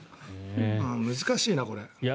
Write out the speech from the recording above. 難しいな、これ。